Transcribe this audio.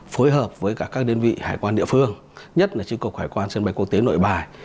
phối hợp với cả các đơn vị hải quan địa phương nhất là tri cục hải quan sân bay quốc tế nội bài